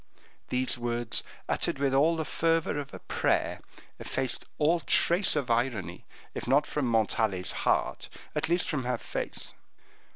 These words, uttered with all the fervor of a prayer, effaced all trace of irony, if not from Montalais's heart, at least from her face.